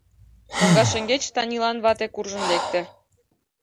Коҥга шеҥгеч Танилан вате куржын лекте.